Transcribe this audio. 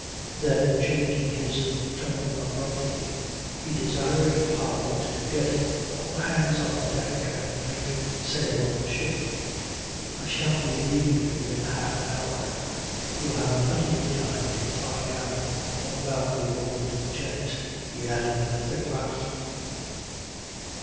Then, changing his tone abruptly, he desired Powell to get all hands on deck and make sail on the ship. "I shall be leaving you in half an hour. You'll have plenty of time to find out all about the old gent," he added with a thick laugh.